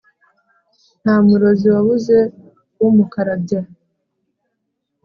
Nta murozi wabuze umukarabya.